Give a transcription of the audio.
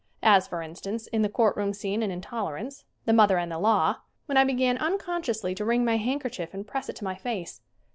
As for instance, in the court room scene in "Intoler ance" ("The Mother and the Law") when I began unconsciously to wring my handkerchief and press it to my face.